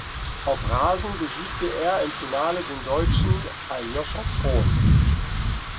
Auf Rasen besiegte er im Finale den Deutschen Aljoscha Thron.